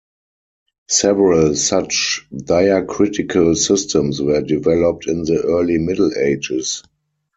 Several such diacritical systems were developed in the Early Middle Ages.